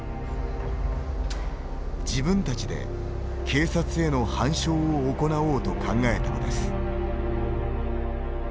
自分たちで、警察への反証を行おうと考えたのです。